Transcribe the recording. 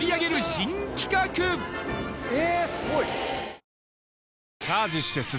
え